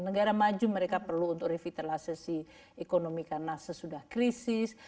negara maju mereka perlu untuk revitalisasi ekonomi karena sesudah krisis